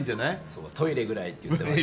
そうトイレぐらいって言ってました。